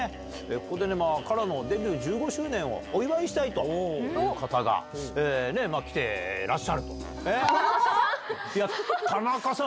ここで、ＫＡＲＡのデビュー１５周年をお祝いしたいという方が来てらっしタナカさん？